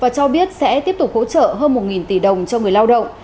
và cho biết sẽ tiếp tục hỗ trợ hơn một tỷ đồng cho người lao động